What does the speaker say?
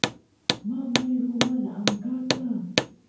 mamay ruwan amkata